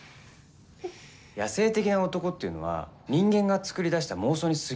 野性的な男っていうのは人間が作り出した妄想にすぎないんです。